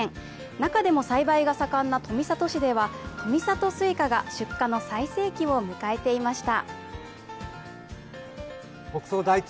中でも栽培が盛んな富里市では富里スイカが出荷の最盛期を迎えていました。